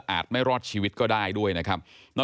ไม่รอดชีวิตก็ได้ด้วยนะครับ